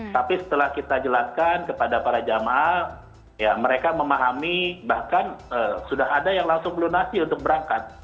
tapi setelah kita jelaskan kepada para jamaah ya mereka memahami bahkan sudah ada yang langsung melunasi untuk berangkat